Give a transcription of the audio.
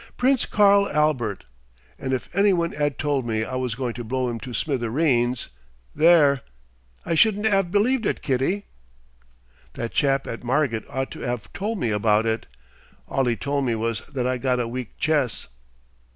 Prince Karl Albert! And if any one 'ad tole me I was going to blow 'im to smithereens there! I shouldn't 'ave believed it, Kitty. "That chap at Margit ought to 'ave tole me about it. All 'e tole me was that I got a weak chess.